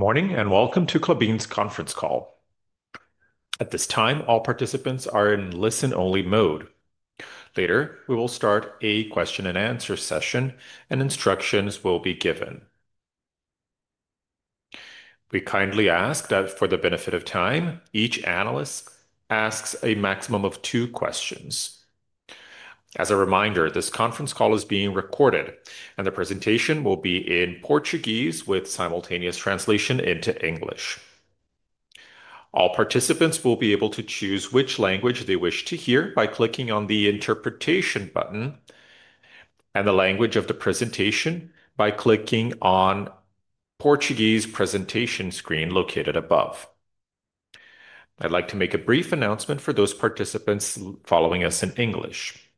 Good morning and welcome to Klabin's conference call. At this time, all participants are in listen-only mode. Later, we will start a question-and-answer session, and instructions will be given. We kindly ask that for the benefit of time, each analyst asks a maximum of two questions. As a reminder, this conference call is being recorded, and the presentation will be in Portuguese with simultaneous translation into English. All participants will be able to choose which language they wish to hear by clicking on the interpretation button and the language of the presentation by clicking on the Portuguese presentation screen located above. I'd like to make a brief announcement for those participants following us in English.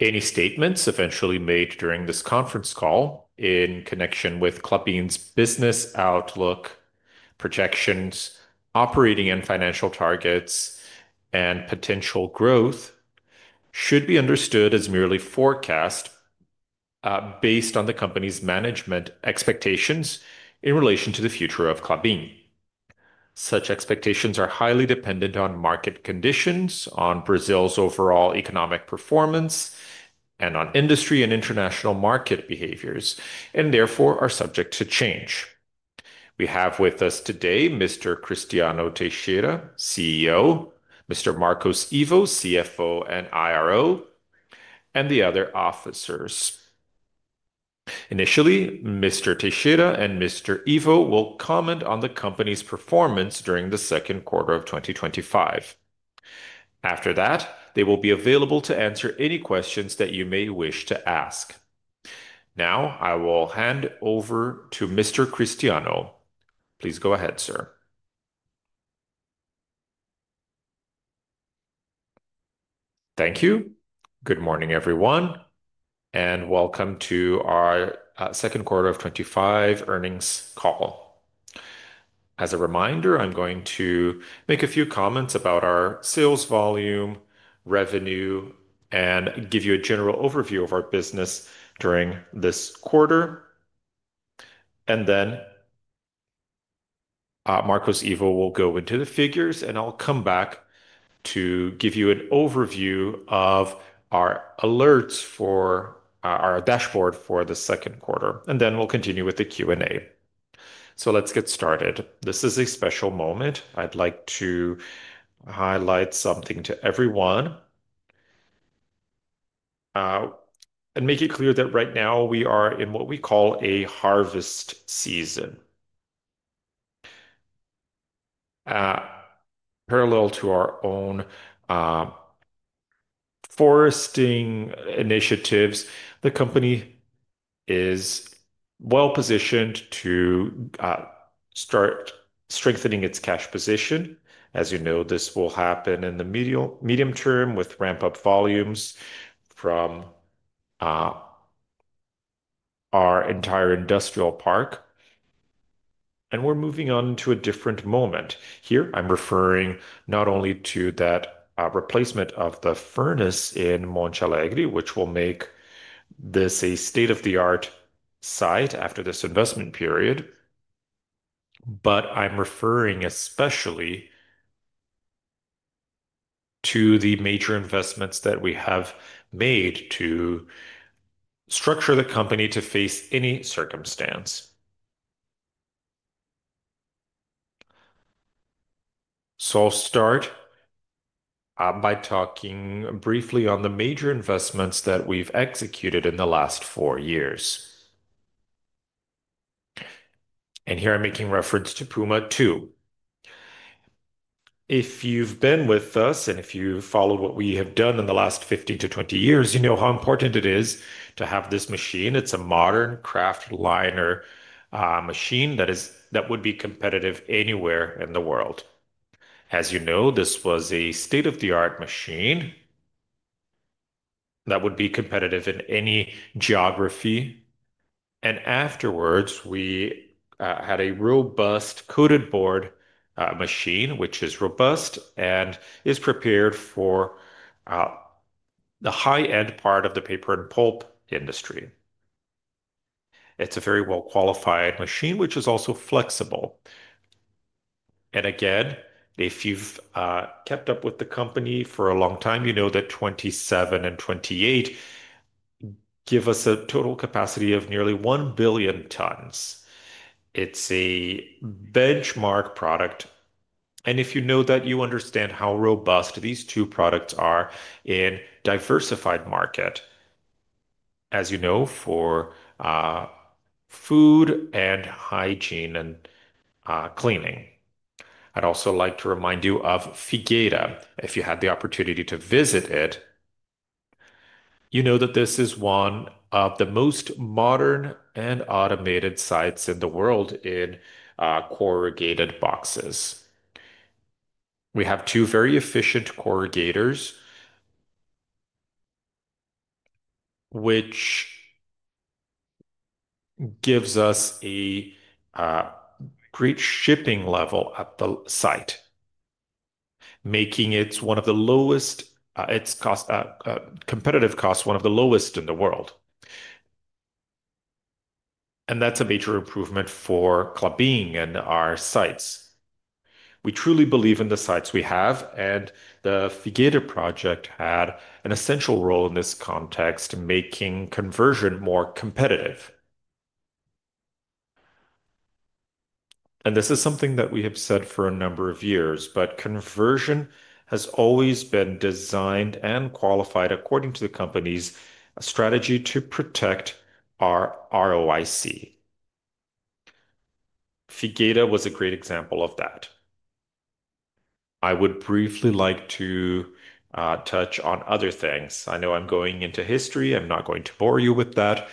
Any statements eventually made during this conference call in connection with Klabin's business outlook, projections, operating and financial targets, and potential growth should be understood as merely forecast based on the company's management expectations in relation to the future of Klabin. Such expectations are highly dependent on market conditions, on Brazil's overall economic performance, and on industry and international market behaviors, and therefore are subject to change. We have with us today Mr. Cristiano Teixeira, CEO, Mr. Marcos Ivo, CFO and IRO, and the other officers. Initially, Mr. Teixeira and Mr. Ivo will comment on the company's performance during the second quarter of 2025. After that, they will be available to answer any questions that you may wish to ask. Now, I will hand over to Mr. Cristiano. Please go ahead, sir. Thank you. Good morning, everyone, and welcome to our second quarter of 2025 earnings call. As a reminder, I'm going to make a few comments about our sales volume, revenue, and give you a general overview of our business during this quarter. Marcos Ivo will go into the figures, and I'll come back to give you an overview of our alerts for our dashboard for the second quarter, and then we'll continue with the Q&A. Let's get started. This is a special moment. I'd like to highlight something to everyone and make it clear that right now we are in what we call a harvest season. Parallel to our own foresting initiatives, the company is well-positioned to start strengthening its cash position. As you know, this will happen in the medium term with ramp-up volumes from our entire industrial park. We're moving on to a different moment. Here, I'm referring not only to that replacement of the furnace in Monte Alegre, which will make this a state-of-the-art site after this investment period, but I'm referring especially to the major investments that we have made to structure the company to face any circumstance. I'll start by talking briefly on the major investments that we've executed in the last four years. Here I'm making reference to Puma II. If you've been with us and if you follow what we have done in the last 15-20 years, you know how important it is to have this machine. It's a modern Kraftliner machine that would be competitive anywhere in the world. As you know, this was a state-of-the-art machine that would be competitive in any geography. Afterwards, we had a robust Coated Board machine, which is robust and is prepared for the high-end part of the paper and pulp industry. It's a very well-qualified machine, which is also flexible. If you've kept up with the company for a long time, you know that 27 and 28 give us a total capacity of nearly 1 billion tons. It's a benchmark product. If you know that, you understand how robust these two products are in a diversified market, as you know, for food and hygiene and cleaning. I'd also like to remind you of Figata. If you had the opportunity to visit it, you know that this is one of the most modern and automated sites in the world in corrugated boxes. We have two very efficient corrugators, which gives us a great shipping level at the site, making its competitive cost one of the lowest in the world. That's a major improvement for Klabin and our sites. We truly believe in the sites we have, and the Figata project had an essential role in this context, making conversion more competitive. This is something that we have said for a number of years, but conversion has always been designed and qualified according to the company's strategy to protect our ROIC. Figata was a great example of that. I would briefly like to touch on other things. I know I'm going into history. I'm not going to bore you with that.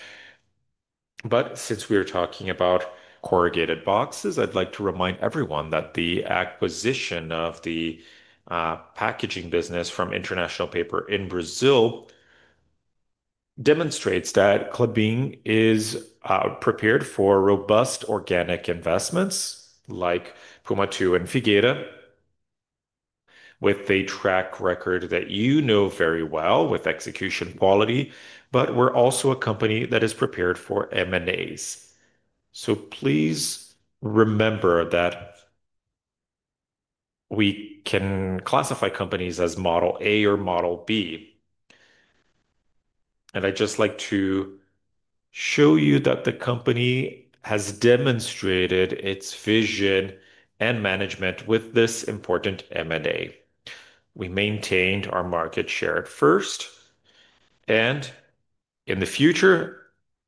Since we are talking about corrugated boxes, I'd like to remind everyone that the acquisition of the packaging business from International Paper in Brazil demonstrates that Klabin is prepared for robust organic investments like Puma II and Figata, with a track record that you know very well with execution quality. We're also a company that is prepared for M&As. Please remember that we can classify companies as Model A or Model B. I'd just like to show you that the company has demonstrated its vision and management with this important M&A. We maintained our market share at first, and in the future,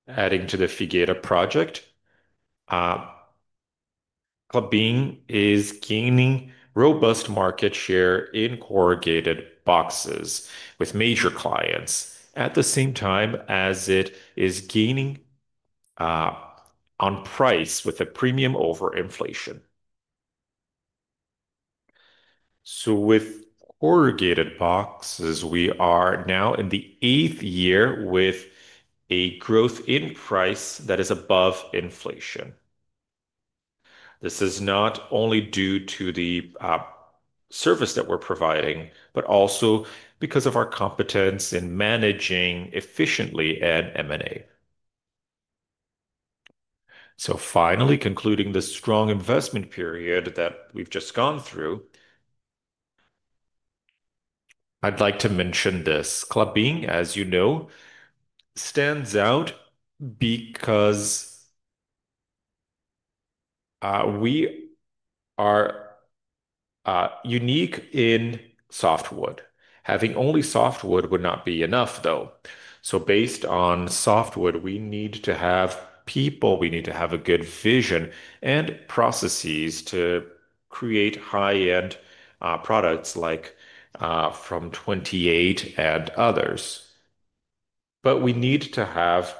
adding to the Figata project, Klabin is gaining robust market share in corrugated boxes with major clients at the same time as it is gaining on price with a premium over inflation. With corrugated boxes, we are now in the eighth year with a growth in price that is above inflation. This is not only due to the service that we're providing, but also because of our competence in managing efficiently and M&A. Finally, concluding the strong investment period that we've just gone through, I'd like to mention this. Klabin, as you know, stands out because we are unique in softwood. Having only softwood would not be enough, though. Based on softwood, we need to have people, we need to have a good vision and processes to create high-end products like from 28 and others. We need to have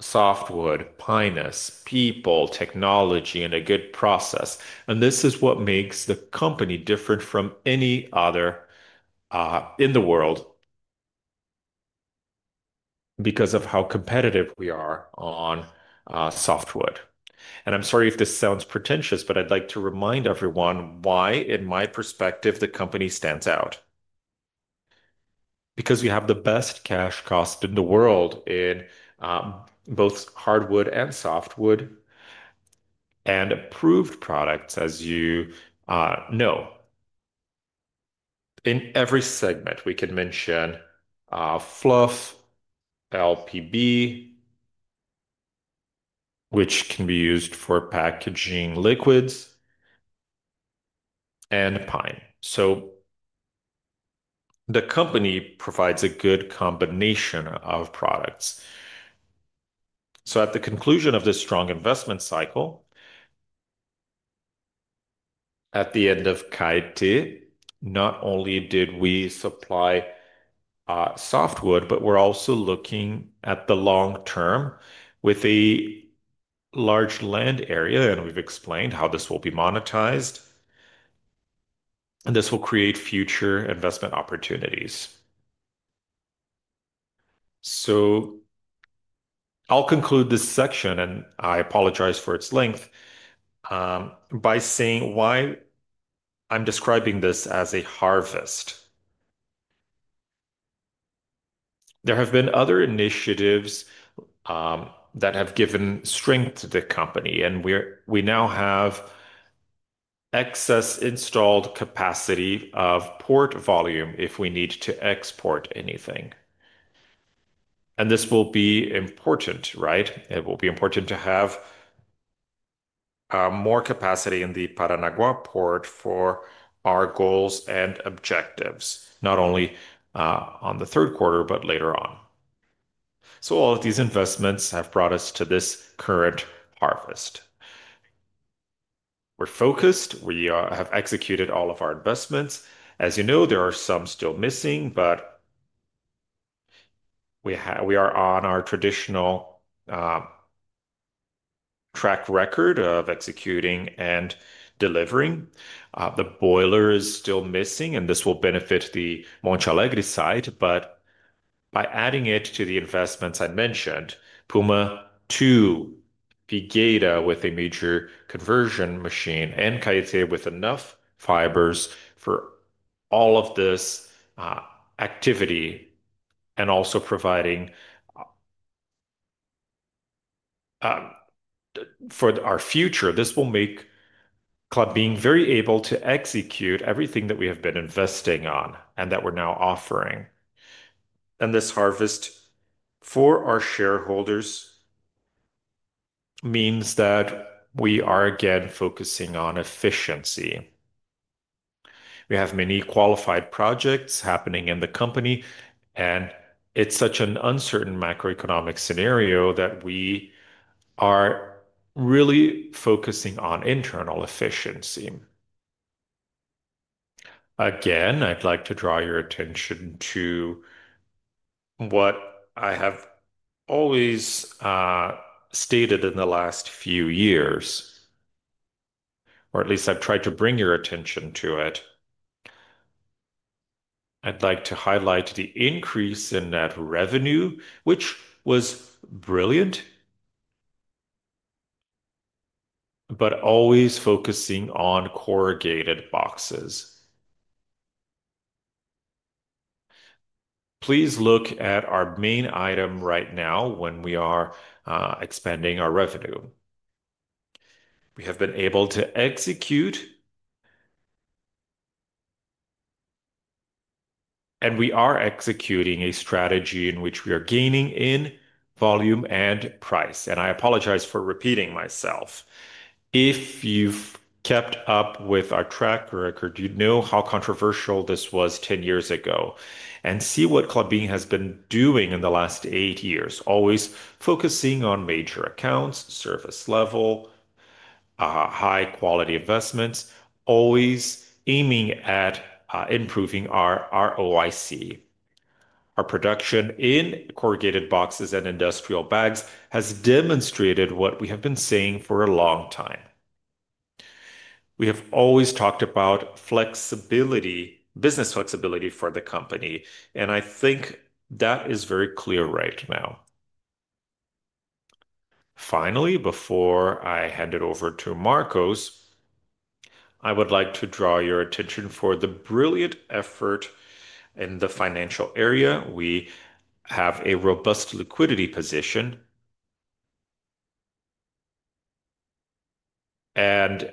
softwood, Pinus, people, technology, and a good process. This is what makes the company different from any other in the world because of how competitive we are on softwood. I'm sorry if this sounds pretentious, but I'd like to remind everyone why, in my perspective, the company stands out. We have the best cash cost in the world in both hardwood and softwood and approved products, as you know. In every segment, we can mention Fluff, LPB, which can be used for packaging liquids, and pine. The company provides a good combination of products. At the conclusion of this strong investment cycle, at the end of Kite T, not only did we supply softwood, but we're also looking at the long-term with a large land area, and we've explained how this will be monetized. This will create future investment opportunities. I'll conclude this section, and I apologize for its length, by saying why I'm describing this as a harvest. There have been other initiatives that have given strength to the company, and we now have excess installed capacity of port volume if we need to export anything. This will be important, right? It will be important to have more capacity in the Paranaguá port for our goals and objectives, not only in the third quarter, but later on. All of these investments have brought us to this current harvest. We're focused. We have executed all of our investments. As you know, there are some still missing, but we are on our traditional track record of executing and delivering. The boiler is still missing, and this will benefit the Monte Alegre site, but by adding it to the investments I mentioned, Puma II, Figata with a major conversion machine, and Kite T with enough fibers for all of this activity and also providing for our future. This will make Klabin very able to execute everything that we have been investing in and that we're now offering. This harvest for our shareholders means that we are again focusing on efficiency. We have many qualified projects happening in the company, and it's such an uncertain macroeconomic scenario that we are really focusing on internal efficiency. I'd like to draw your attention to what I have always stated in the last few years, or at least I've tried to bring your attention to it. I'd like to highlight the increase in net revenue, which was brilliant, but always focusing on corrugated boxes. Please look at our main item right now when we are expanding our revenue. We have been able to execute, and we are executing a strategy in which we are gaining in volume and price. I apologize for repeating myself. If you've kept up with our track record, you'd know how controversial this was 10 years ago. See what Klabin has been doing in the last eight years, always focusing on major accounts, service level, high-quality investments, always aiming at improving our ROIC. Our production in corrugated boxes and industrial bags has demonstrated what we have been saying for a long time. We have always talked about flexibility, business flexibility for the company, and I think that is very clear right now. Finally, before I hand it over to Marcos, I would like to draw your attention to the brilliant effort in the financial area. We have a robust liquidity position, and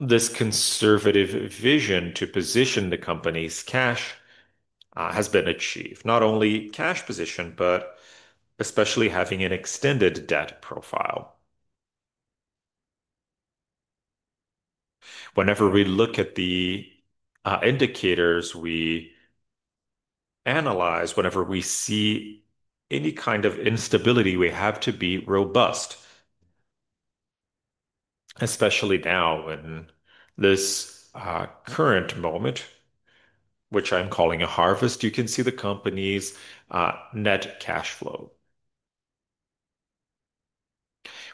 this conservative vision to position the company's cash has been achieved. Not only cash position, but especially having an extended debt profile. Whenever we look at the indicators we analyze, whenever we see any kind of instability, we have to be robust. Especially now in this current moment, which I'm calling a harvest, you can see the company's net cash flow.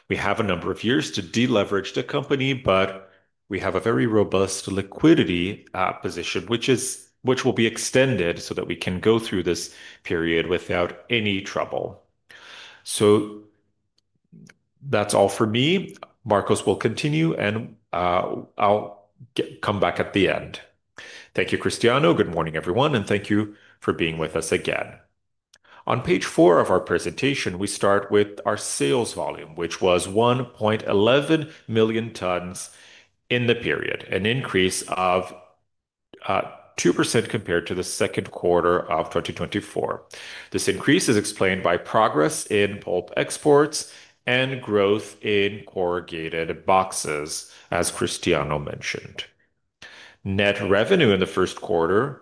We have a number of years to deleverage the company, but we have a very robust liquidity position, which will be extended so that we can go through this period without any trouble. That's all for me. Marcos will continue, and I'll come back at the end. Thank you, Cristiano. Good morning, everyone, and thank you for being with us again. On page four of our presentation, we start with our sales volume, which was 1.11 million tons in the period, an increase of 2% compared to the second quarter of 2024. This increase is explained by progress in pulp exports and growth in corrugated boxes, as Cristiano mentioned. Net revenue in the first quarter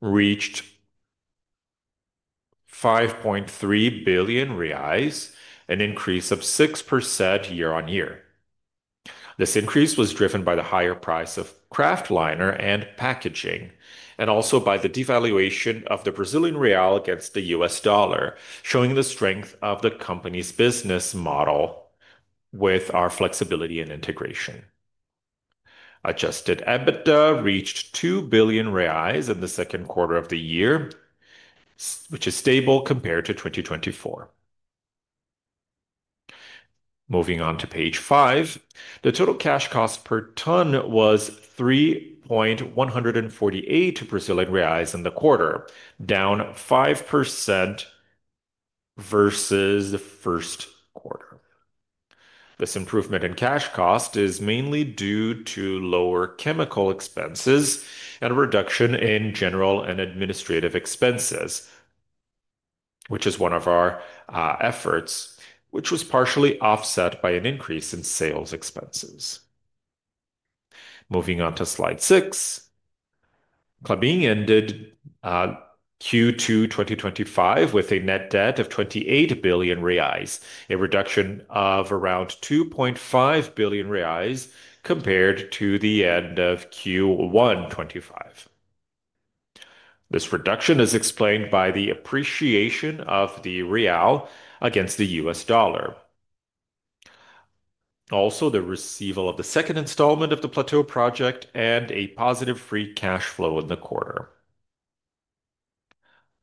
reached 5.3 billion reais, an increase of 6% year-on-year. This increase was driven by the higher price of Kraftliner and packaging, and also by the devaluation of the Brazilian real against the U.S. dollar, showing the strength of the company's business model with our flexibility and integration. Adjusted EBITDA reached 2 billion reais in the second quarter of the year, which is stable compared to 2024. Moving on to page five, the total cash cost per ton was 3,148 Brazilian reais in the quarter, down 5% versus the first quarter. This improvement in cash cost is mainly due to lower chemical expenses and a reduction in general and administrative expenses, which is one of our efforts, which was partially offset by an increase in sales expenses. Moving on to slide six, Klabin ended Q2 2025 with a net debt of 28 billion reais, a reduction of around 2.5 billion reais compared to the end of Q1 2025. This reduction is explained by the appreciation of the real against the U.S. dollar. Also, the receipt of the second installment of the Plateau project and a positive free cash flow in the quarter.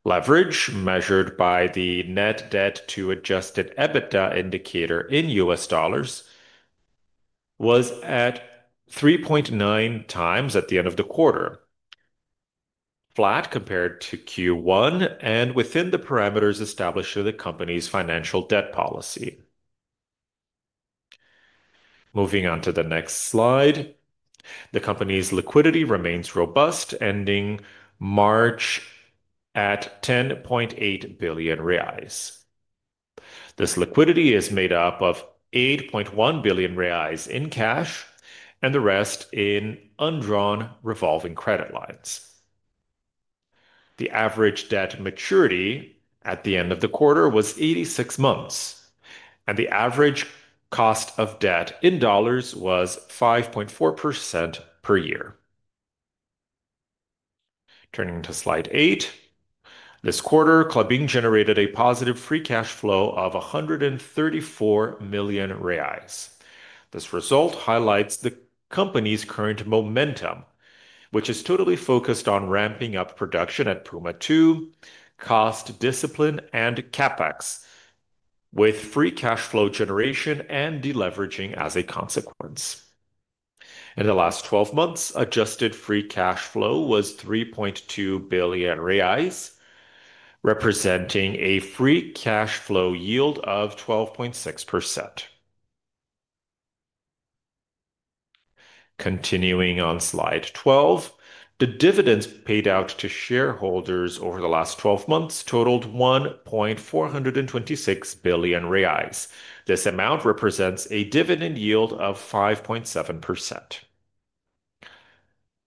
Leverage measured by the net debt to adjusted EBITDA indicator in U.S. dollars was at 3.9x at the end of the quarter, flat compared to Q1 and within the parameters established in the company's financial debt policy. Moving on to the next slide, the company's liquidity remains robust, ending March at 10.8 billion reais. This liquidity is made up of 8.1 billion reais in cash and the rest in undrawn revolving credit lines. The average debt maturity at the end of the quarter was 86 months, and the average cost of debt in dollars was 5.4% per year. Turning to slide eight, this quarter, Klabin generated a positive free cash flow of 134 million reais. This result highlights the company's current momentum, which is totally focused on ramping up production at Puma II, cost discipline, and CapEx, with free cash flow generation and deleveraging as a consequence. In the last 12 months, adjusted free cash flow was 3.2 billion reais, representing a free cash flow yield of 12.6%. Continuing on slide 12, the dividends paid out to shareholders over the last 12 months totaled 1.426 billion reais. This amount represents a dividend yield of 5.7%.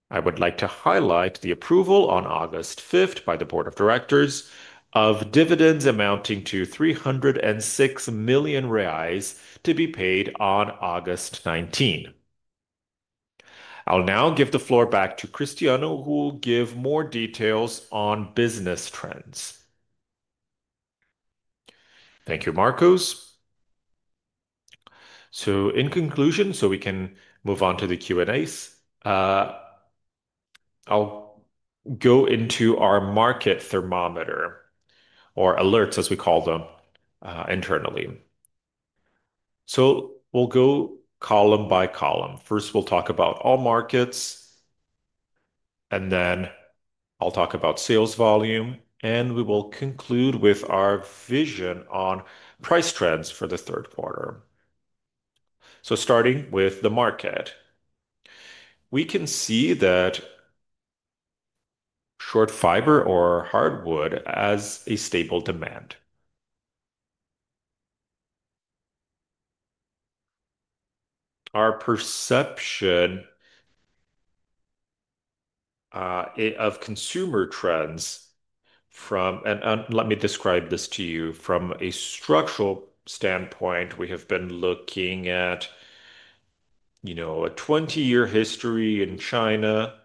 I would like to highlight the approval on August 5 by the Board of Directors of dividends amounting to 306 million reais to be paid on August 19. I'll now give the floor back to Cristiano, who will give more details on business trends. Thank you, Marcos. In conclusion, so we can move on to the Q&A, I'll go into our market thermometer, or alerts, as we call them, internally. We'll go column by column. First, we'll talk about all markets, and then I'll talk about sales volume, and we will conclude with our vision on price trends for the third quarter. Starting with the market, we can see that short fiber or hardwood has a stable demand. Our perception of consumer trends from, and let me describe this to you, from a structural standpoint, we have been looking at, you know, a 20-year history in China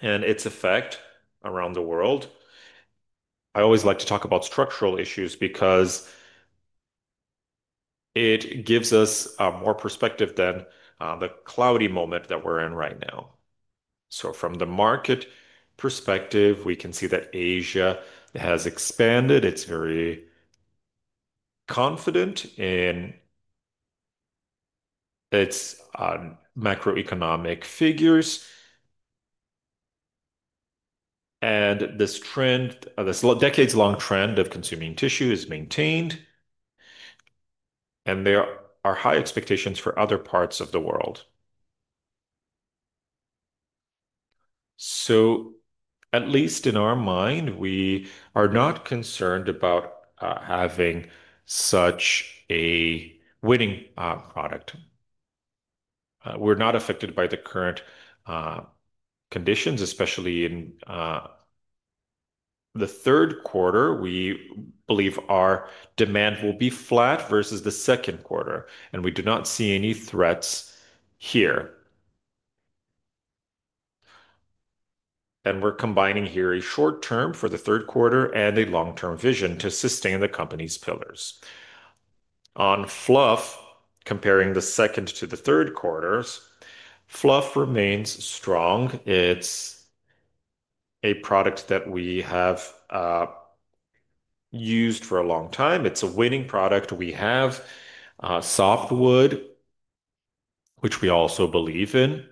and its effect around the world. I always like to talk about structural issues because it gives us more perspective than the cloudy moment that we're in right now. From the market perspective, we can see that Asia has expanded. It's very confident in its macroeconomic figures, and this trend, this decades-long trend of consuming tissue, is maintained, and there are high expectations for other parts of the world. At least in our mind, we are not concerned about having such a winning product. We're not affected by the current conditions, especially in the third quarter. We believe our demand will be flat versus the second quarter, and we do not see any threats here. We're combining here a short-term for the third quarter and a long-term vision to sustain the company's pillars. On Fluff, comparing the second to the third quarters, Fluff remains strong. It's a product that we have used for a long time. It's a winning product. We have softwood, which we also believe in.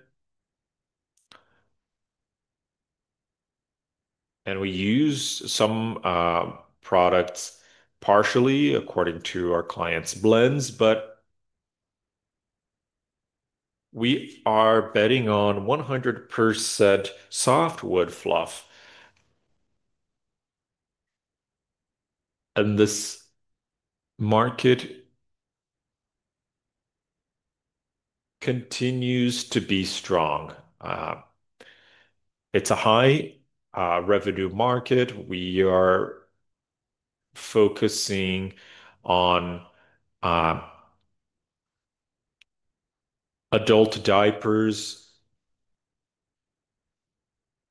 We use some products partially according to our client's blends, but we are betting on 100% softwood Fluff. This market continues to be strong. It's a high-revenue market. We are focusing on adult diapers.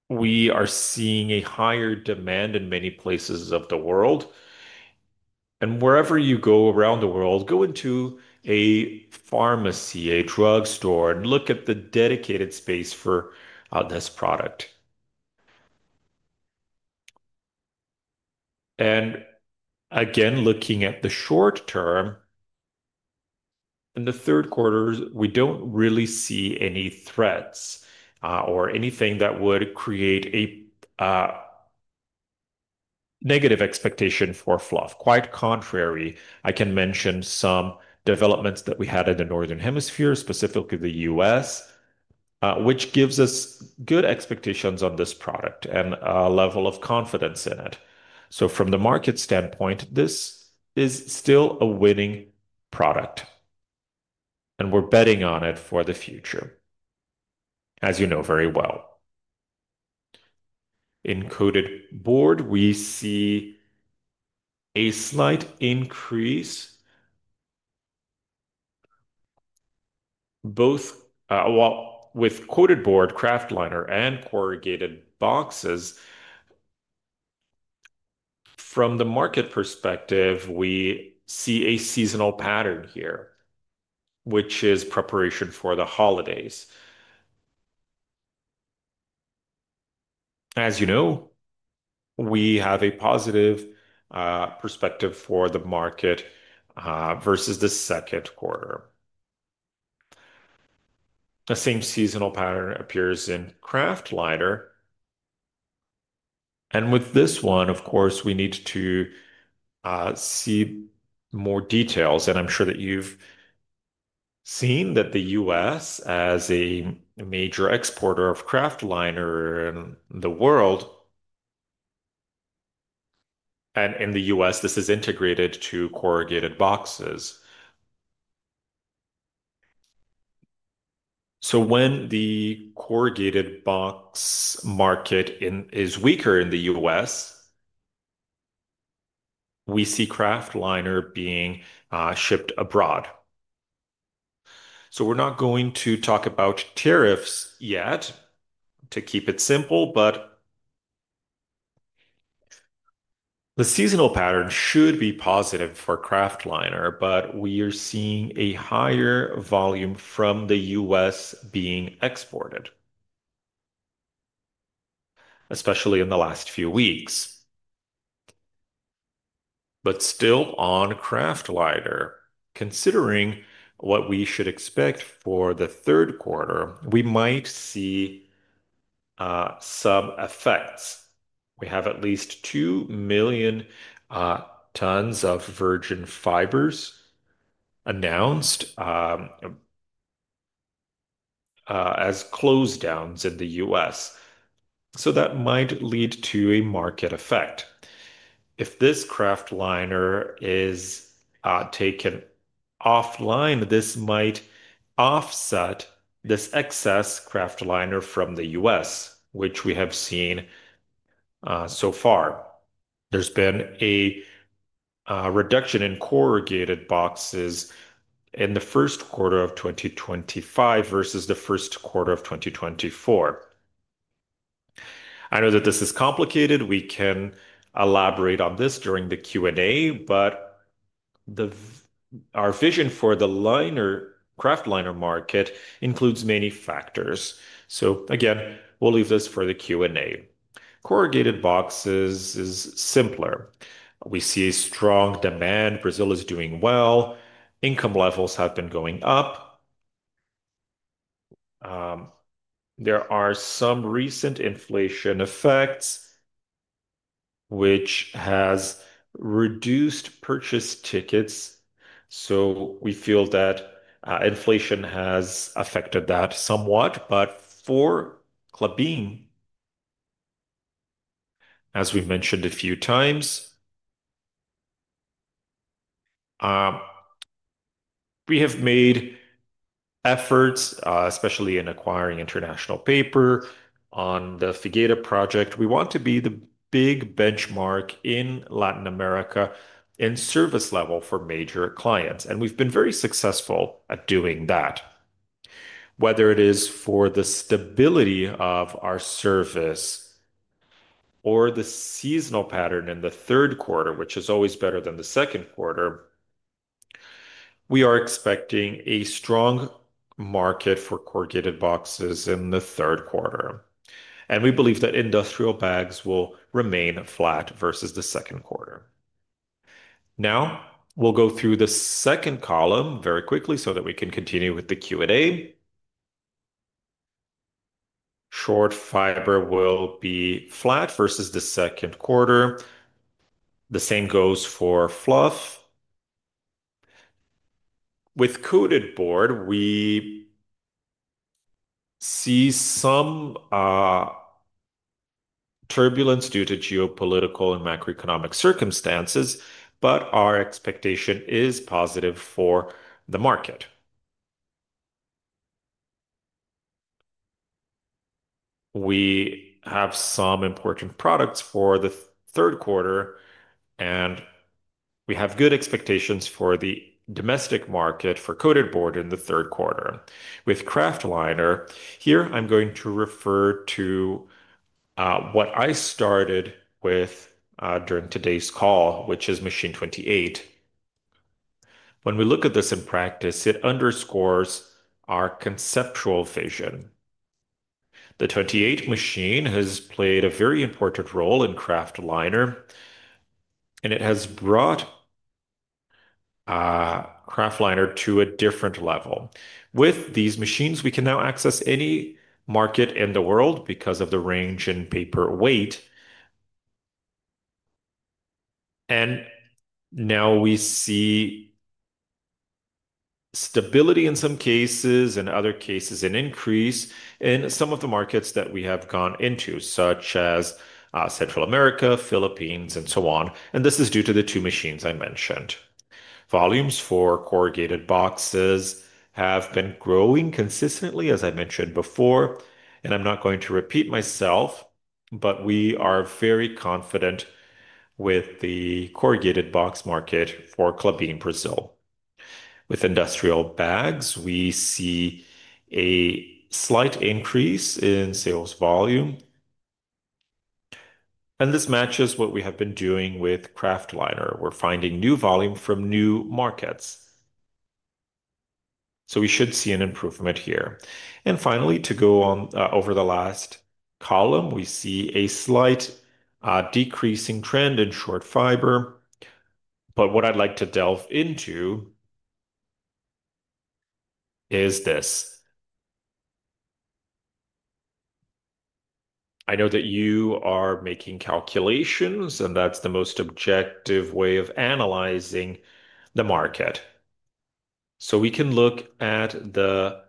We are seeing a higher demand in many places of the world. Wherever you go around the world, go into a pharmacy, a drugstore, and look at the dedicated space for this product. Again, looking at the short-term, in the third quarter, we don't really see any threats or anything that would create a negative expectation for Fluff. Quite the contrary, I can mention some developments that we had in the Northern Hemisphere, specifically the U.S., which gives us good expectations on this product and a level of confidence in it. From the market standpoint, this is still a winning product, and we're betting on it for the future, as you know very well. In Coated Board, we see a slight increase, both with Coated Board, Kraftliner, and corrugated boxes. From the market perspective, we see a seasonal pattern here, which is preparation for the holidays. As you know, we have a positive perspective for the market versus the second quarter. The same seasonal pattern appears in Kraftliner, and with this one, of course, we need to see more details. I'm sure that you've seen that the U.S., as a major exporter of Kraftliner in the world, and in the U.S., this is integrated to corrugated boxes. When the corrugated box market is weaker in the U.S., we see Kraftliner being shipped abroad. We're not going to talk about tariffs yet to keep it simple, but the seasonal pattern should be positive for Kraftliner. We are seeing a higher volume from the U.S. being exported, especially in the last few weeks. Still on Kraftliner, considering what we should expect for the third quarter, we might see some effects. We have at least 2 million tons of virgin fibers announced as close downs in the U.S., so that might lead to a market effect. If this Kraftliner is taken offline, this might offset this excess Kraftliner from the U.S., which we have seen so far. There's been a reduction in corrugated boxes in the first quarter of 2025 versus the first quarter of 2024. I know that this is complicated. We can elaborate on this during the Q&A, but our vision for the Kraftliner market includes many factors. We'll leave this for the Q&A. Corrugated boxes are simpler. We see a strong demand. Brazil is doing well. Income levels have been going up. There are some recent inflation effects, which have reduced purchase tickets. We feel that inflation has affected that somewhat. For Klabin, as we've mentioned a few times, we have made efforts, especially in acquiring International Paper on the Figata project. We want to be the big benchmark in Latin America in service level for major clients, and we've been very successful at doing that. Whether it is for the stability of our service or the seasonal pattern in the third quarter, which is always better than the second quarter, we are expecting a strong market for corrugated boxes in the third quarter. We believe that industrial bags will remain flat versus the second quarter. Now, we'll go through the second column very quickly so that we can continue with the Q&A. Short fiber will be flat versus the second quarter. The same goes for Fluff. With Coated Board, we see some turbulence due to geopolitical and macroeconomic circumstances, but our expectation is positive for the market. We have some important products for the third quarter, and we have good expectations for the domestic market for Coated Board in the third quarter. With Kraftliner, here I'm going to refer to what I started with during today's call, which is machine 28. When we look at this in practice, it underscores our conceptual vision. The 28 machine has played a very important role in Kraftliner, and it has brought Kraftliner to a different level. With these machines, we can now access any market in the world because of the range in paper weight. Now we see stability in some cases, in other cases, an increase in some of the markets that we have gone into, such as Central America, Philippines, and so on. This is due to the two machines I mentioned. Volumes for corrugated boxes have been growing consistently, as I mentioned before. I'm not going to repeat myself, but we are very confident with the corrugated box market for Klabin Brazil. With industrial bags, we see a slight increase in sales volume. This matches what we have been doing with Kraftliner. We're finding new volume from new markets. We should see an improvement here. Finally, to go on over the last column, we see a slight decreasing trend in short fiber. What I'd like to delve into is this. I know that you are making calculations, and that's the most objective way of analyzing the market. We can look at the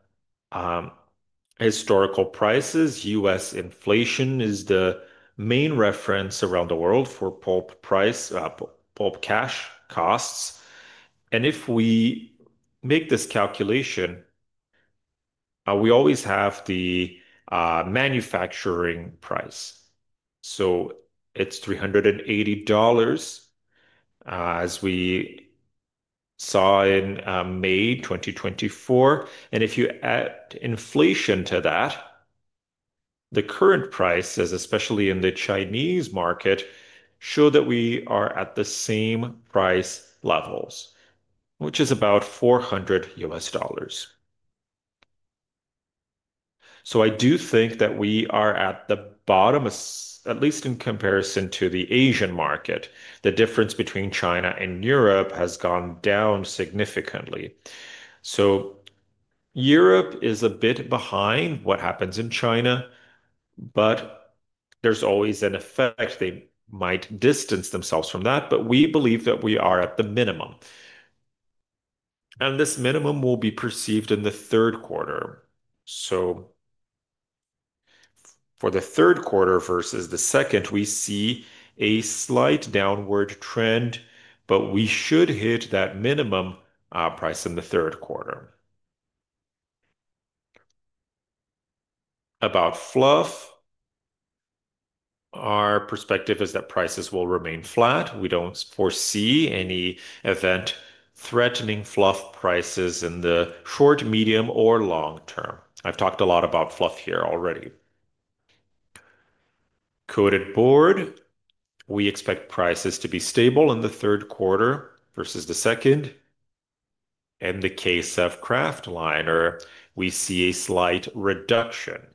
historical prices. U.S. inflation is the main reference around the world for pulp price, pulp cash costs. If we make this calculation, we always have the manufacturing price. It's $380, as we saw in May 2024. If you add inflation to that, the current prices, especially in the Chinese market, show that we are at the same price levels, which is about $400. I do think that we are at the bottom, at least in comparison to the Asian market. The difference between China and Europe has gone down significantly. Europe is a bit behind what happens in China, but there's always an effect. They might distance themselves from that, but we believe that we are at the minimum. This minimum will be perceived in the third quarter. For the third quarter versus the second, we see a slight downward trend, but we should hit that minimum price in the third quarter. About Fluff, our perspective is that prices will remain flat. We don't foresee any event threatening Fluff prices in the short, medium, or long-term. I've talked a lot about Fluff here already. Coated Board, we expect prices to be stable in the third quarter versus the second. In the case of Kraftliner, we see a slight reduction.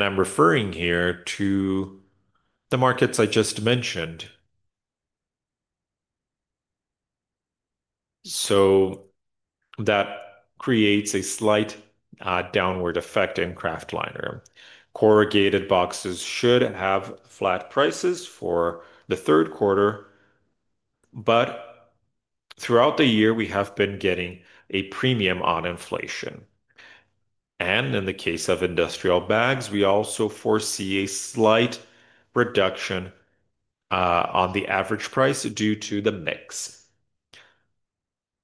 I'm referring here to the markets I just mentioned. That creates a slight downward effect in Kraftliner. Corrugated boxes should have flat prices for the third quarter, but throughout the year, we have been getting a premium on inflation. In the case of industrial bags, we also foresee a slight reduction on the average price due to the mix.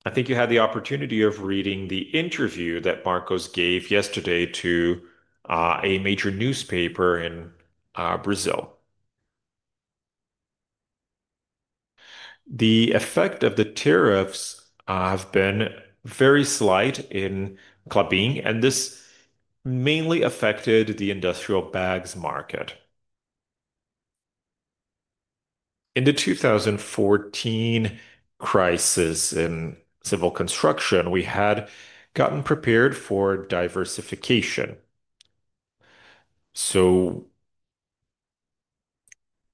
I think you had the opportunity of reading the interview that Marcos gave yesterday to a major newspaper in Brazil. The effect of the tariffs has been very slight in Klabin, and this mainly affected the industrial bags market. In the 2014 crisis in civil construction, we had gotten prepared for diversification.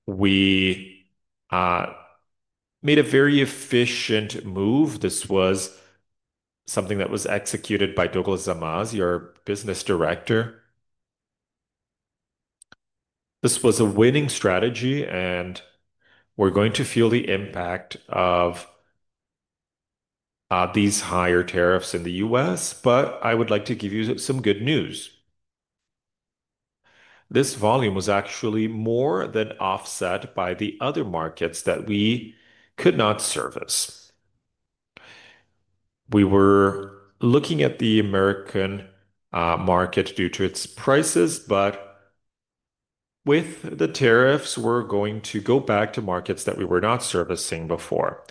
We made a very efficient move. This was something that was executed by Douglas Dalmasi, our Business Director. This was a winning strategy, and we're going to feel the impact of these higher tariffs in the U.S., but I would like to give you some good news. This volume was actually more than offset by the other markets that we could not service. We were looking at the American market due to its prices, but with the tariffs, we're going to go back to markets that we were not servicing before.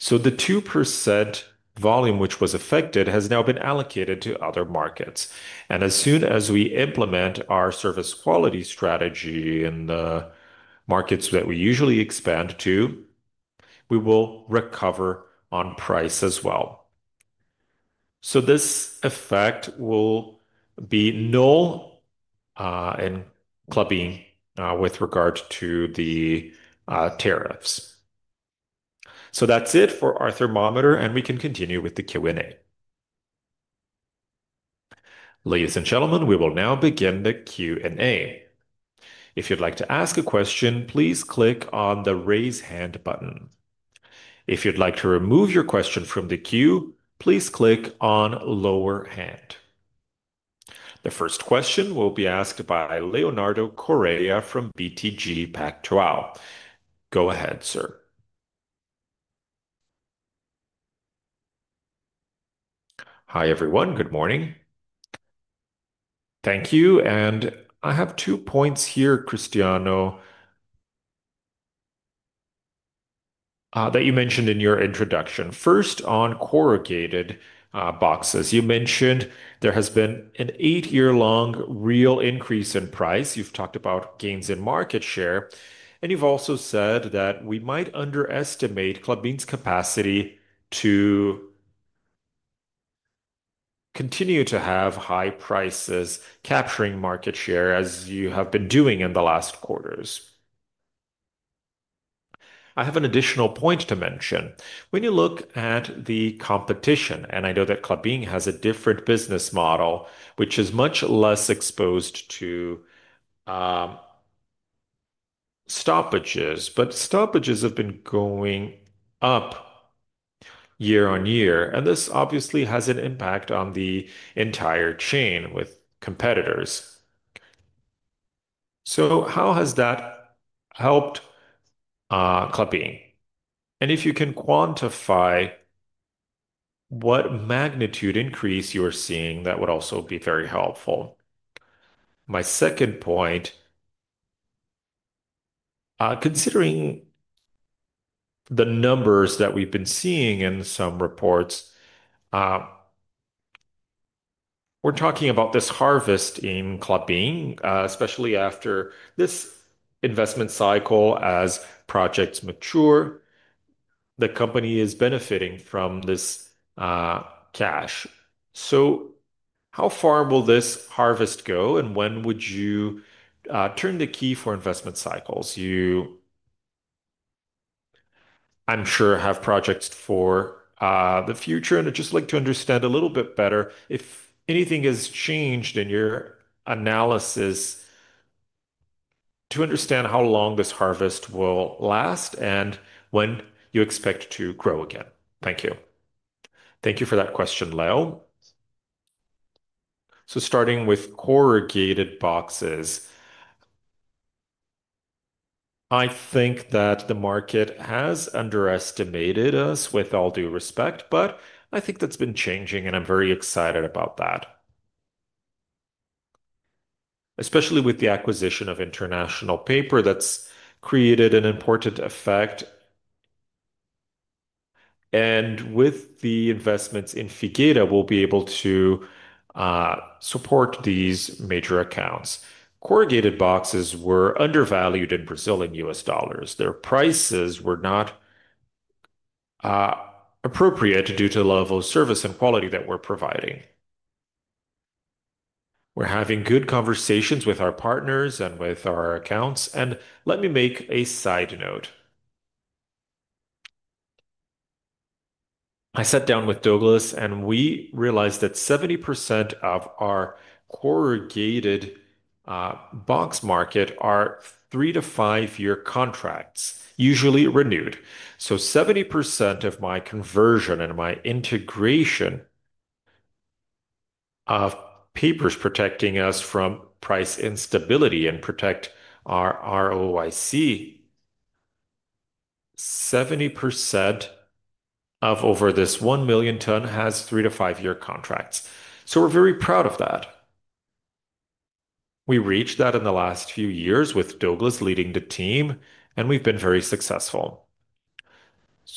The 2% volume which was affected has now been allocated to other markets. As soon as we implement our service quality strategy in the markets that we usually expand to, we will recover on price as well. This effect will be null in Klabin with regard to the tariffs. That's it for our thermometer, and we can continue with the Q&A. Ladies and gentlemen, we will now begin the Q&A. If you'd like to ask a question, please click on the raise hand button. If you'd like to remove your question from the queue, please click on lower hand. The first question will be asked by Leonardo Correa from BTG Pactual. Go ahead, sir. Hi, everyone. Good morning. Thank you. I have two points here, Cristiano, that you mentioned in your introduction. First, on corrugated boxes, you mentioned there has been an eight-year-long real increase in price. You've talked about gains in market share, and you've also said that we might underestimate Klabin's capacity to continue to have high prices capturing market share, as you have been doing in the last quarters. I have an additional point to mention. When you look at the competition, and I know that Klabin has a different business model, which is much less exposed to stoppages, but stoppages have been going up year-on-year, and this obviously has an impact on the entire chain with competitors. How has that helped Klabin? If you can quantify what magnitude increase you're seeing, that would also be very helpful. My second point, considering the numbers that we've been seeing in some reports, we're talking about this harvest in Klabin, especially after this investment cycle. As projects mature, the company is benefiting from this cash. How far will this harvest go, and when would you turn the key for investment cycles? You, I'm sure, have projects for the future, and I'd just like to understand a little bit better if anything has changed in your analysis to understand how long this harvest will last and when you expect to grow again. Thank you. Thank you for that question, Leo. Starting with corrugated boxes, I think that the market has underestimated us with all due respect, but I think that's been changing, and I'm very excited about that. Especially with the acquisition of International Paper, that's created an important effect. With the investments in Figata, we'll be able to support these major accounts. Corrugated boxes were undervalued in Brazil and U.S. dollars. Their prices were not appropriate due to the level of service and quality that we're providing. We're having good conversations with our partners and with our accounts. Let me make a side note. I sat down with Douglas, and we realized that 70% of our corrugated box market are three to five-year contracts, usually renewed. So 70% of my conversion and my integration of papers protecting us from price instability and protect our ROIC. 70% of over this 1 million ton has three to five-year contracts. We're very proud of that. We reached that in the last few years with Douglas leading the team, and we've been very successful.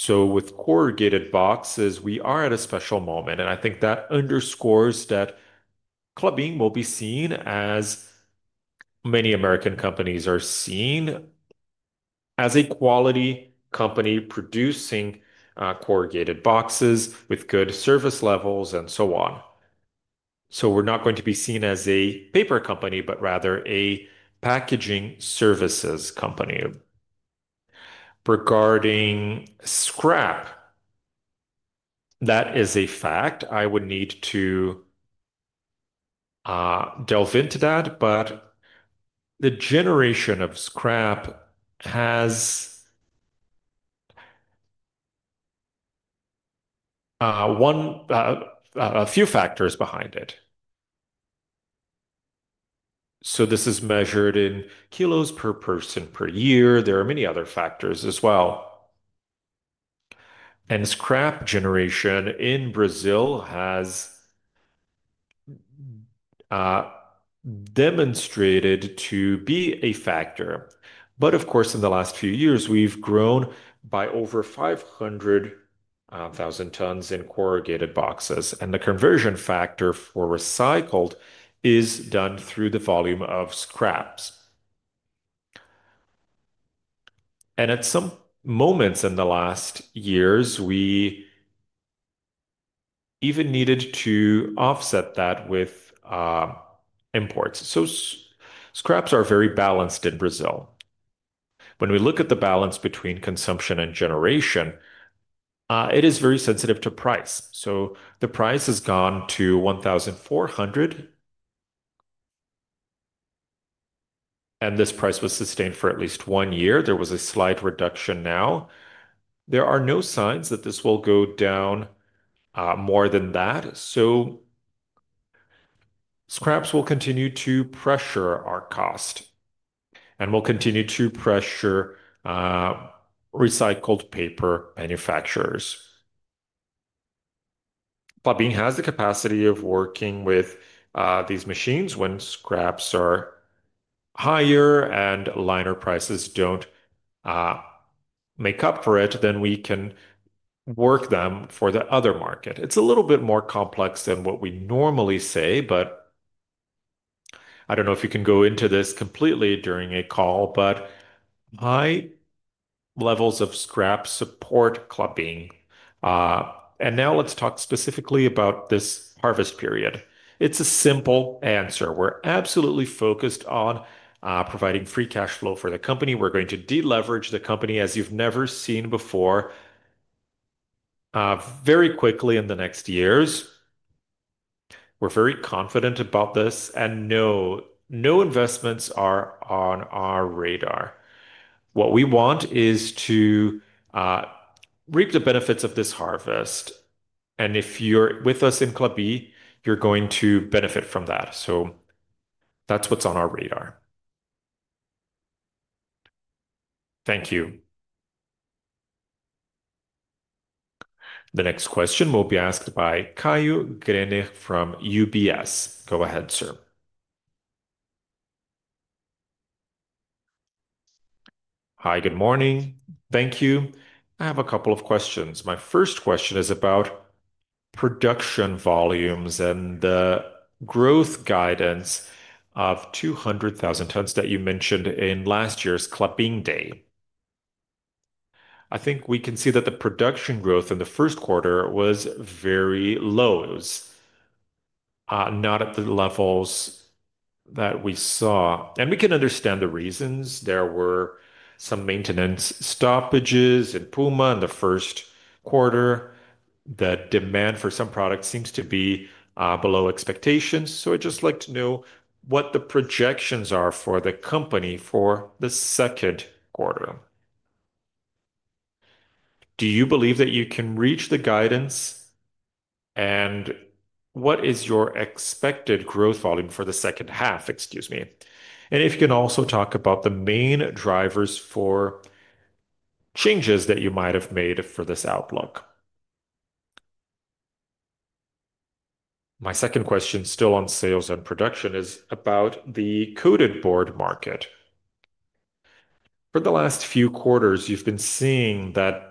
With corrugated boxes, we are at a special moment, and I think that underscores that Klabin will be seen as many American companies are seen as a quality company producing corrugated boxes with good service levels and so on. We're not going to be seen as a paper company, but rather a packaging services company. Regarding scrap, that is a fact. I would need to delve into that, but the generation of scrap has a few factors behind it. This is measured in kilos per person per year. There are many other factors as well. Scrap generation in Brazil has demonstrated to be a factor. In the last few years, we've grown by over 500,000 tons in corrugated boxes. The conversion factor for recycled is done through the volume of scraps. At some moments in the last years, we even needed to offset that with imports. Scraps are very balanced in Brazil. When we look at the balance between consumption and generation, it is very sensitive to price. The price has gone to 1,400, and this price was sustained for at least one year. There was a slight reduction now. There are no signs that this will go down more than that. Scraps will continue to pressure our cost and will continue to pressure recycled paper manufacturers. Klabin has the capacity of working with these machines. When scraps are higher and liner prices don't make up for it, then we can work them for the other market. It's a little bit more complex than what we normally say, but I don't know if you can go into this completely during a call, but my levels of scrap support Klabin. Now let's talk specifically about this harvest period. It's a simple answer. We're absolutely focused on providing free cash flow for the company. We're going to deleverage the company, as you've never seen before, very quickly in the next years. We're very confident about this, and no investments are on our radar. What we want is to reap the benefits of this harvest. If you're with us in Klabin, you're going to benefit from that. That's what's on our radar. Thank you. The next question will be asked by Caio Greiner from UBS. Go ahead, sir. Hi, good morning. Thank you. I have a couple of questions. My first question is about production volumes and the growth guidance of 200,000 tons that you mentioned in last year's Klabin Day. I think we can see that the production growth in the first quarter was very low, not at the levels that we saw. We can understand the reasons. There were some maintenance stoppages in Puma in the first quarter. The demand for some products seems to be below expectations. I'd just like to know what the projections are for the company for the second quarter. Do you believe that you can reach the guidance, and what is your expected growth volume for the second half? Excuse me. If you can also talk about the main drivers for changes that you might have made for this outlook. My second question, still on sales and production, is about the Coated Board market. For the last few quarters, you've been seeing that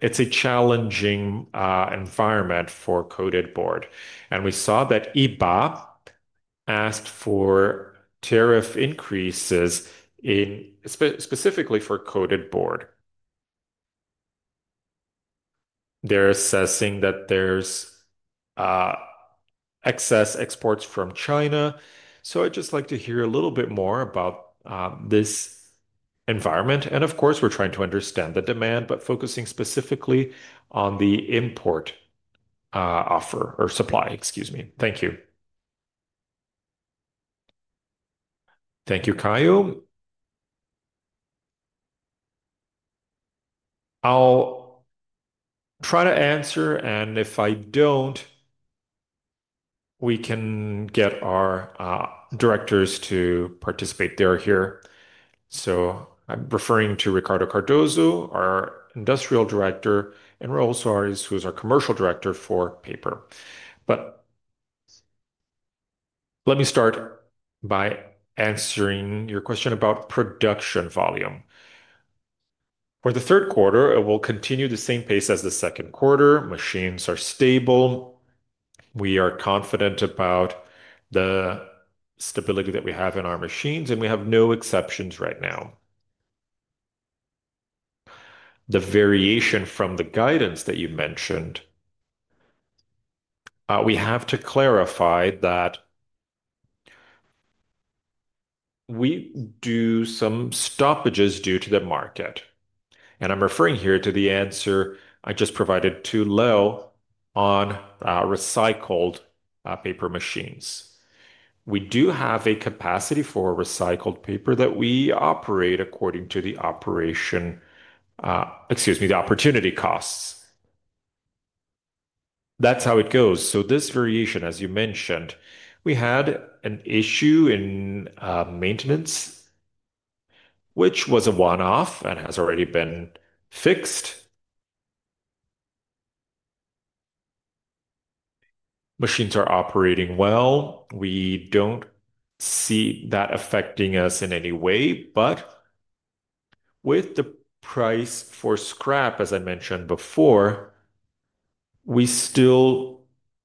it's a challenging environment for Coated Board. We saw that EBA asked for tariff increases specifically for Coated Board. They're assessing that there's excess exports from China. I'd just like to hear a little bit more about this environment. Of course, we're trying to understand the demand, but focusing specifically on the import offer or supply, excuse me. Thank you. Thank you, Caio. I'll try to answer, and if I don't, we can get our directors to participate. They're here. I'm referring to Ricardo Monegaglia, our Industrial Director, and Jose Soares, who's our Commercial Director for paper. Let me start by answering your question about production volume. For the third quarter, it will continue the same pace as the second quarter. Machines are stable. We are confident about the stability that we have in our machines, and we have no exceptions right now. The variation from the guidance that you mentioned, we have to clarify that we do some stoppages due to the market. I'm referring here to the answer I just provided too low on recycled paper machines. We do have a capacity for recycled paper that we operate according to the opportunity costs. That's how it goes. This variation, as you mentioned, we had an issue in maintenance, which was a one-off and has already been fixed. Machines are operating well. We don't see that affecting us in any way. With the price for scrap, as I mentioned before, we still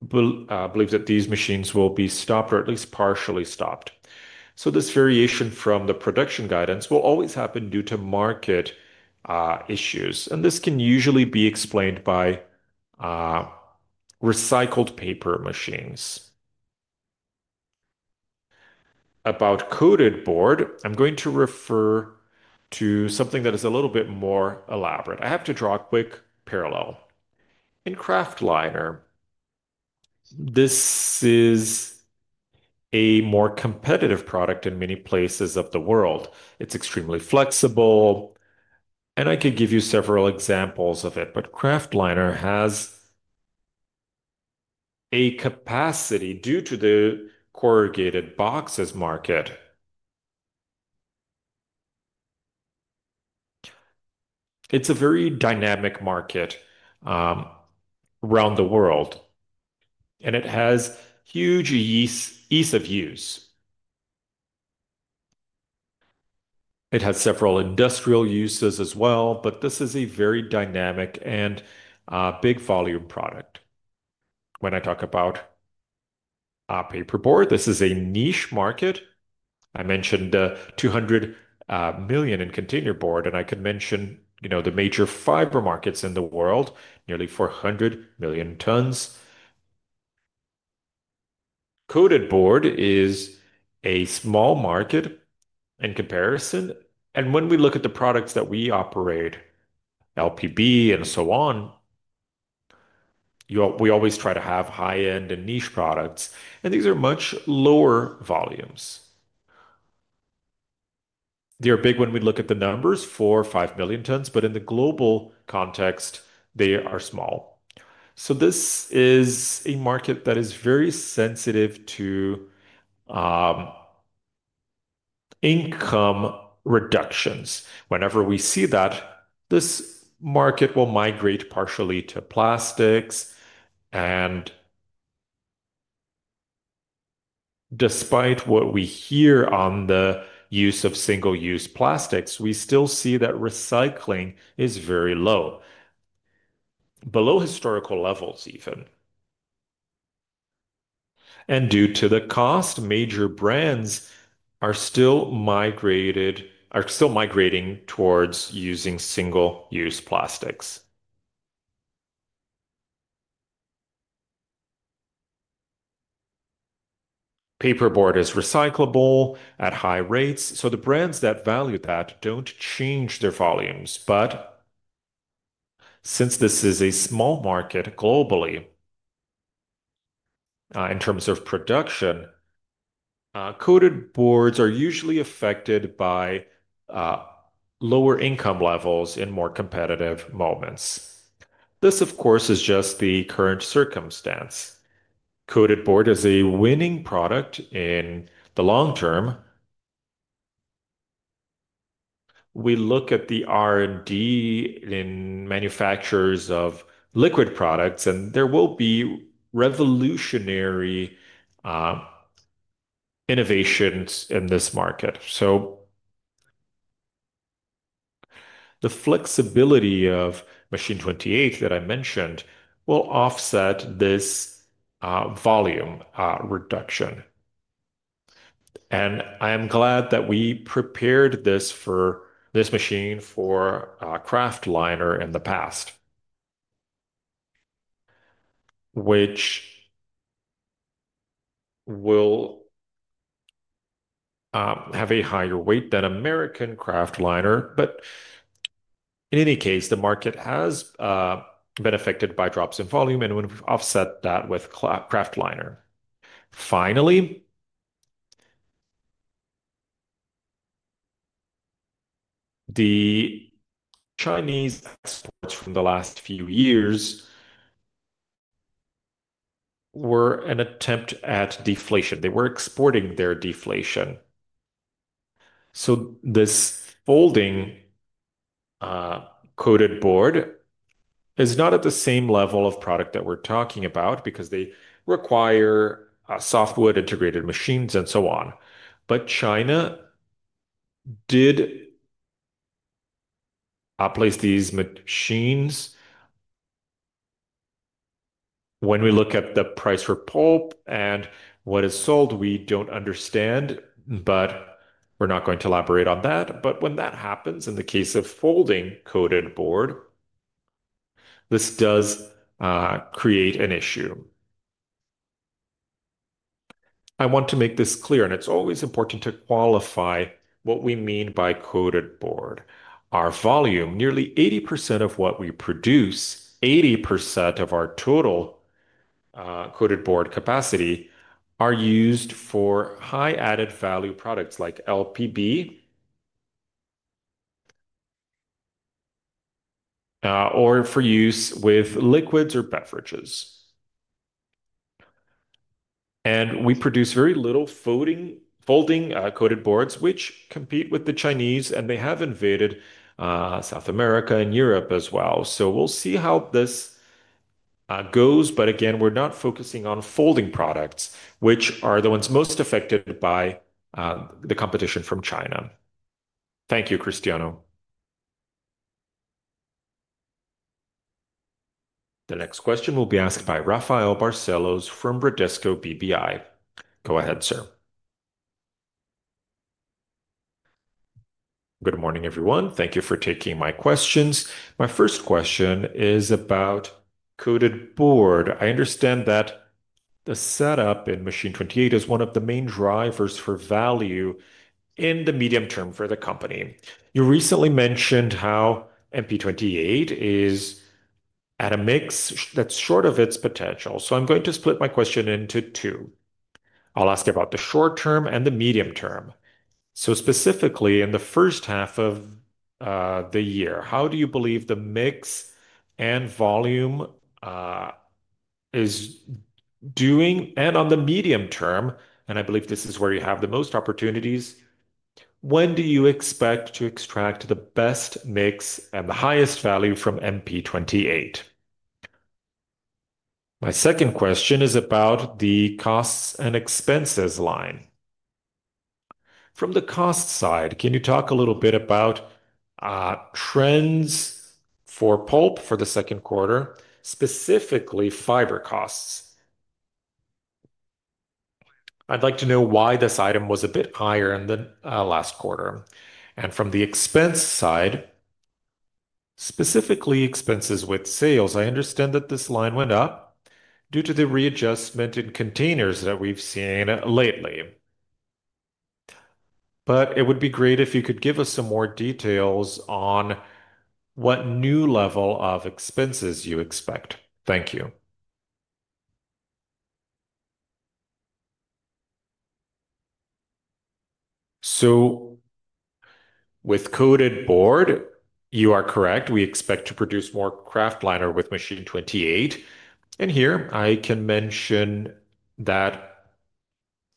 believe that these machines will be stopped or at least partially stopped. This variation from the production guidance will always happen due to market issues. This can usually be explained by recycled paper machines. About Coated Board, I'm going to refer to something that is a little bit more elaborate. I have to draw a quick parallel. In Kraftliner, this is a more competitive product in many places of the world. It's extremely flexible, and I could give you several examples of it. Kraftliner has a capacity due to the corrugated boxes market. It's a very dynamic market around the world, and it has huge ease of use. It has several industrial uses as well. This is a very dynamic and big volume product. When I talk about paperboard, this is a niche market. I mentioned $200 million in containerboard, and I could mention, you know, the major fiber markets in the world, nearly 400 million tons. Coated Board is a small market in comparison. When we look at the products that we operate, LPB and so on, we always try to have high-end and niche products, and these are much lower volumes. They're big when we look at the numbers, four or five million tons, but in the global context, they are small. This is a market that is very sensitive to income reductions. Whenever we see that, this market will migrate partially to plastics. Despite what we hear on the use of single-use plastics, we still see that recycling is very low, below historical levels even. Due to the cost, major brands are still migrating towards using single-use plastics. Paperboard is recyclable at high rates. The brands that value that don't change their volumes. Since this is a small market globally, in terms of production, Coated Boards are usually affected by lower income levels in more competitive moments. This, of course, is just the current circumstance. Coated Board is a winning product in the long-term. We look at the R&D in manufacturers of liquid products, and there will be revolutionary innovations in this market. The flexibility of machine 28 that I mentioned will offset this volume reduction. I am glad that we prepared this machine for Kraftliner in the past, which will have a higher weight than American Kraftliner. In any case, the market has been affected by drops in volume, and we've offset that with Kraftliner. Finally, the Chinese from the last few years were an attempt at deflation. They were exporting their deflation. This folding Coated Board is not at the same level of product that we're talking about because they require softwood integrated machines and so on. China did place these machines. When we look at the price for pulp and what is sold, we don't understand, but we're not going to elaborate on that. When that happens in the case of folding Coated Board, this does create an issue. I want to make this clear, and it's always important to qualify what we mean by Coated Board. Our volume, nearly 80% of what we produce, 80% of our total Coated Board capacity, are used for high added value products like LPB or for use with liquids or beverages. We produce very little folding Coated Boards, which compete with the Chinese, and they have invaded South America and Europe as well. We'll see how this goes. Again, we're not focusing on folding products, which are the ones most affected by the competition from China. Thank you, Cristiano. The next question will be asked by Rafael Barcelos from Bradesco BBI. Go ahead, sir. Good morning, everyone. Thank you for taking my questions. My first question is about Coated Board. I understand that the setup in machine 28 is one of the main drivers for value in the medium term for the company. You recently mentioned how MP28 is at a mix that's short of its potential. I'm going to split my question into two. I'll ask you about the short-term and the medium term. Specifically, in the first half of the year, how do you believe the mix and volume is doing? In the medium term, and I believe this is where you have the most opportunities, when do you expect to extract the best mix and the highest value from MP28? My second question is about the costs and expenses line. From the cost side, can you talk a little bit about trends for pulp for the second quarter, specifically fiber costs? I'd like to know why this item was a bit higher in the last quarter. From the expense side, specifically expenses with sales, I understand that this line went up due to the readjustment in containers that we've seen lately. It would be great if you could give us some more details on what new level of expenses you expect. Thank you. With Coated Board, you are correct. We expect to produce more Kraftliner with machine 28.Here I can mention that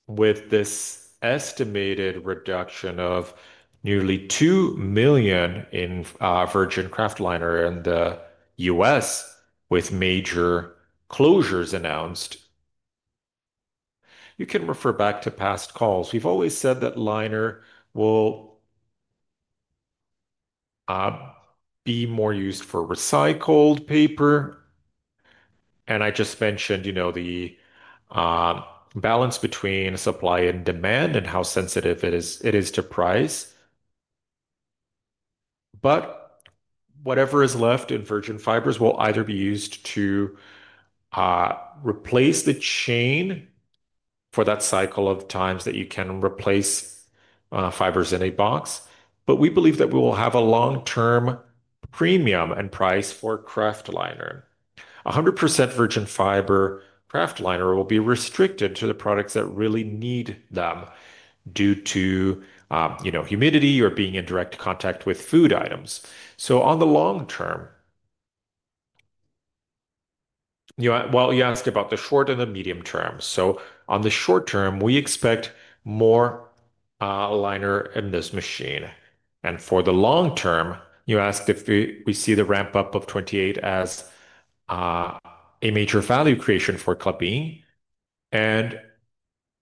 with this estimated reduction of nearly $2 million in virgin Kraftliner in the U.S. with major closures announced, you can refer back to past calls. We've always said that liner will be more used for recycled paper. I just mentioned the balance between supply and demand and how sensitive it is to price. Whatever is left in virgin fibers will either be used to replace the chain for that cycle of times that you can replace fibers in a box. We believe that we will have a long-term premium in price for Kraftliner. 100% virgin fiber Kraftliner will be restricted to the products that really need them due to, you know, humidity or being in direct contact with food items. On the long-term, you know, you asked about the short and the medium term. On the short-term, we expect more liner in this machine. For the long-term, you asked if we see the ramp-up of 28 as a major value creation for Klabin.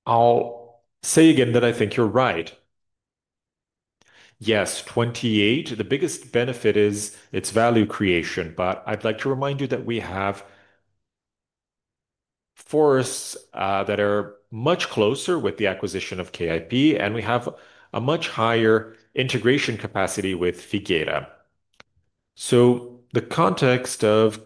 I'll say again that I think you're right. Yes, 28, the biggest benefit is its value creation. I'd like to remind you that we have forests that are much closer with the acquisition of KIP, and we have a much higher integration capacity with Figata. The context of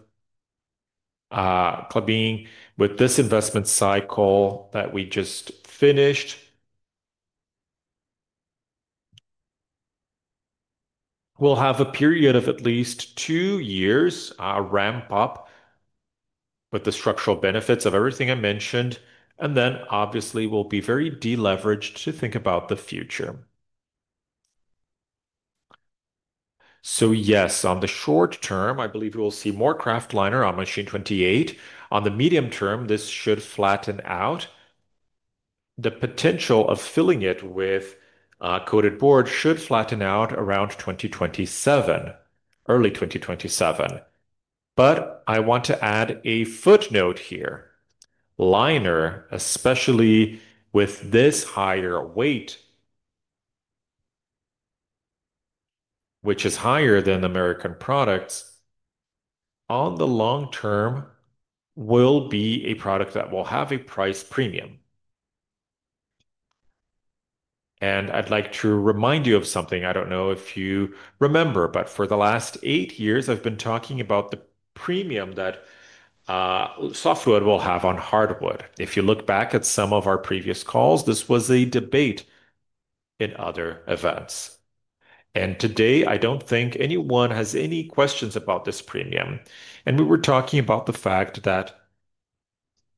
Klabin with this investment cycle that we just finished will have a period of at least two years, a ramp-up with the structural benefits of everything I mentioned. Obviously, we'll be very deleveraged to think about the future. Yes, on the short-term, I believe we'll see more Kraftliner on machine 28. On the medium term, this should flatten out. The potential of filling it with Coated Board should flatten out around 2027, early 2027. I want to add a footnote here. Liner, especially with this higher weight, which is higher than American products, on the long-term will be a product that will have a price premium. I'd like to remind you of something. I don't know if you remember, but for the last eight years, I've been talking about the premium that softwood will have on hardwood. If you look back at some of our previous calls, this was a debate in other events. Today, I don't think anyone has any questions about this premium. We were talking about the fact that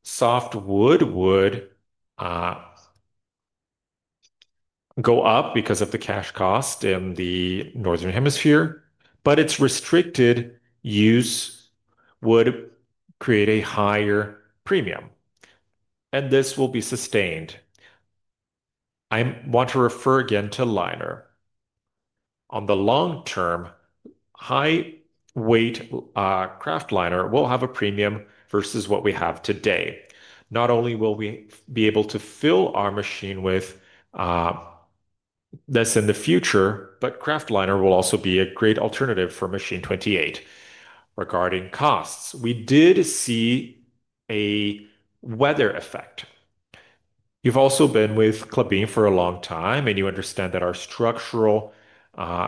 softwood would go up because of the cash cost in the Northern Hemisphere, but its restricted use would create a higher premium. This will be sustained. I want to refer again to liner. On the long-term, high-weight Kraftliner will have a premium versus what we have today. Not only will we be able to fill our machine with this in the future, but Kraftliner will also be a great alternative for machine 28. Regarding costs, we did see a weather effect. You've also been with Klabin for a long time, and you understand that our structural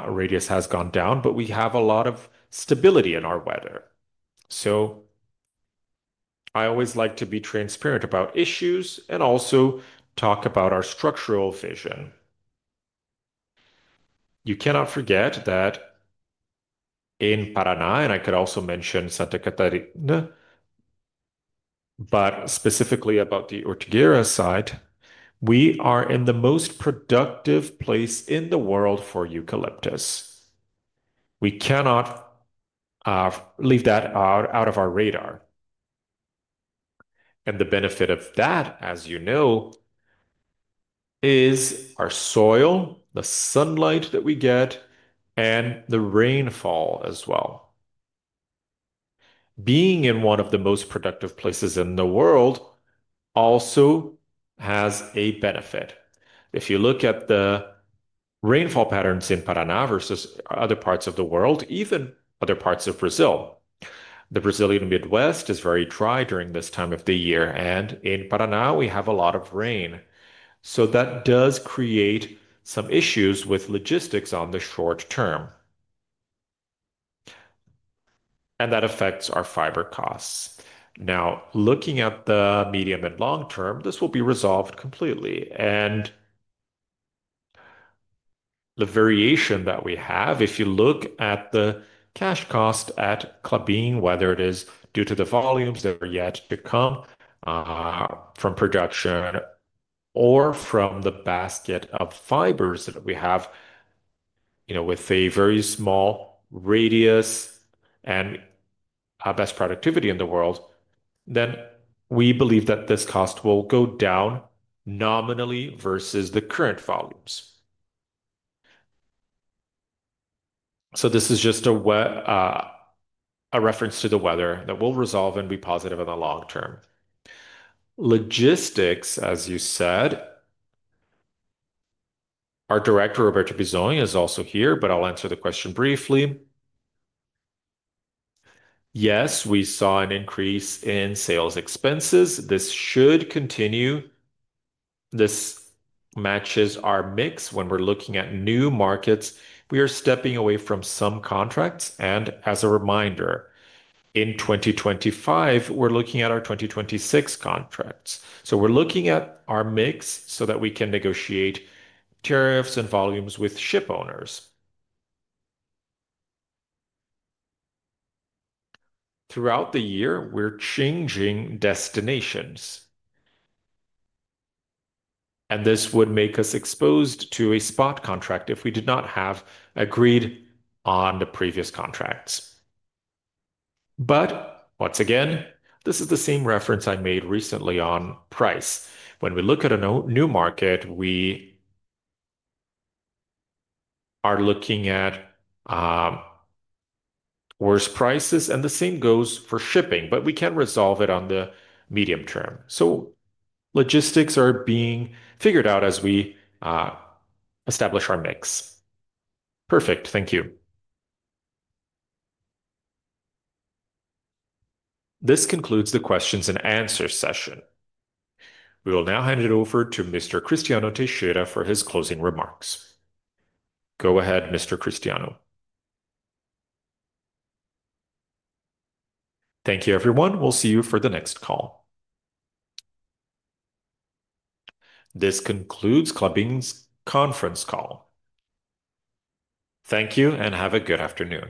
radius has gone down, but we have a lot of stability in our weather. I always like to be transparent about issues and also talk about our structural vision. You cannot forget that in Paraná, and I could also mention Santa Catarina, but specifically about the Ortigueira side, we are in the most productive place in the world for eucalyptus. We cannot leave that out of our radar. The benefit of that, as you know, is our soil, the sunlight that we get, and the rainfall as well. Being in one of the most productive places in the world also has a benefit. If you look at the rainfall patterns in Paraná versus other parts of the world, even other parts of Brazil, the Brazilian Midwest is very dry during this time of the year. In Paraná, we have a lot of rain. That does create some issues with logistics on the short-term, and that affects our fiber costs. Now, looking at the medium and long-term, this will be resolved completely. The variation that we have, if you look at the cash cost at Klabin, whether it is due to the volumes that are yet to come from production or from the basket of fibers that we have, with a very small radius and our best productivity in the world, then we believe that this cost will go down nominally versus the current volumes. This is just a reference to the weather that will resolve and be positive in the long-term. Logistics, as you said, our Director Roberto Bizoni is also here, but I'll answer the question briefly. Yes, we saw an increase in sales expenses. This should continue. This matches our mix when we're looking at new markets. We are stepping away from some contracts, and as a reminder, in 2025, we're looking at our 2026 contracts. We're looking at our mix so that we can negotiate tariffs and volumes with shipowners. Throughout the year, we're changing destinations. This would make us exposed to a spot contract if we did not have agreed on the previous contracts. Once again, this is the same reference I made recently on price. When we look at a new market, we are looking at worse prices, and the same goes for shipping, but we can resolve it on the medium term. Logistics are being figured out as we establish our mix. Perfect. Thank you. This concludes the questions-and-answers session. We will now hand it over to Mr. Cristiano Teixeira for his closing remarks. Go ahead, Mr. Cristiano. Thank you, everyone. We'll see you for the next call. This concludes Klabin's conference call. Thank you, and have a good afternoon.